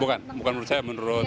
bukan bukan menurut saya menurut